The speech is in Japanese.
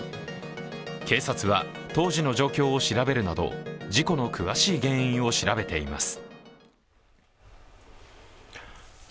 警察は、当時の状況を調べるなど事故の詳しい原因を調べています。